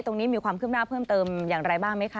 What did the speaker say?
ตรงนี้มีความเคลือบหน้าเพิ่มเติมอย่างไรบ้างมั้ยคะ